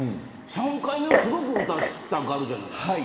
３回目すごく打たせたがるじゃないですか。